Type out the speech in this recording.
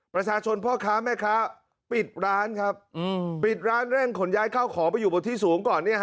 ประชาชนพ่อค้าแม่ค้าปิดร้านครับปิดร้านเร่งขนย้ายเข้าของไปอยู่บนที่สูงก่อน